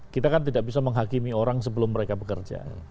kita kan tidak bisa menghakimi orang sebelum mereka bekerja